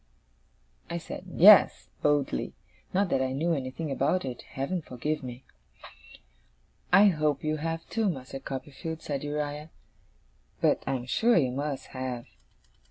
I said, 'Yes,' boldly; not that I knew anything about it, Heaven forgive me! 'I hope you have, too, Master Copperfield,' said Uriah. 'But I am sure you must have.